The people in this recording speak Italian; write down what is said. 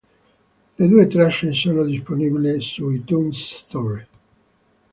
Le due tracce sono disponibili su iTunes Store.